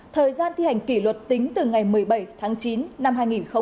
thời gian thi hành kỷ luật tính từ ngày một mươi bảy tháng chín năm hai nghìn một mươi chín